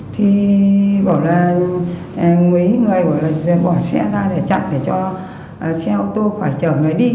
thì bảo là mấy người bỏ xe ra để chặn để cho xe ô tô khỏi chở người đi